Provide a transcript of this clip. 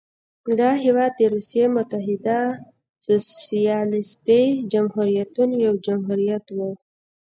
دا هېواد د روسیې متحده سوسیالیستي جمهوریتونو یو جمهوریت و.